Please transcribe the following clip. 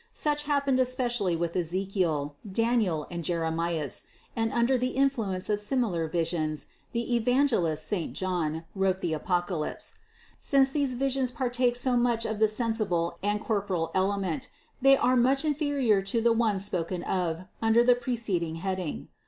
Such happened especially with Ezechiel, Daniel and Jeremias, and under the influence of similar visions the evangelist saint John wrote the Apocalypse. Since these visions partake so much of the sensible and corporal element, they are much inferior to the ones spoken of under the preceding head ing.